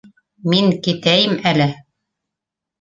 Мин китәйем әле!